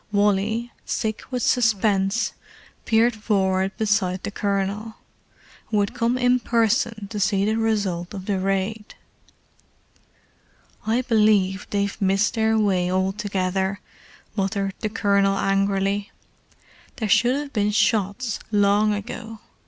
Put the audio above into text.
Wally, sick with suspense, peered forward beside the Colonel, who had come in person to see the result of the raid. "I believe they've missed their way altogether," muttered the Colonel angrily. "There should hove been shots long ago.